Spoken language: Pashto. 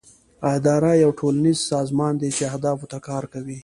اداره یو ټولنیز سازمان دی چې اهدافو ته کار کوي.